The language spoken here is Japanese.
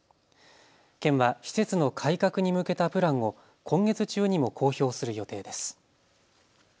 県は施設の改革に向けたプランを今月中にも公表する予定です。